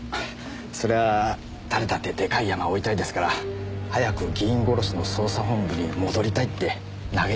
そりゃあ誰だってでかいヤマを追いたいですから早く議員殺しの捜査本部に戻りたいって嘆いてましたよ。